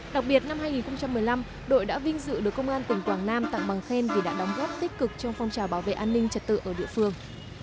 đặc biệt năm hai nghìn một mươi năm đội đã vinh dự được công an tỉnh quảng nam tặng bằng khen vì đã đóng góp tích cực trong phong trào bảo vệ an ninh trật tự ở địa phương